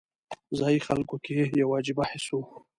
ځایي خلکو کې یو عجیبه حس و.